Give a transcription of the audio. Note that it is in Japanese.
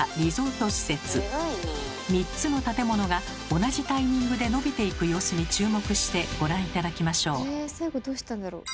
３つの建物が同じタイミングで伸びていく様子に注目してご覧頂きましょう。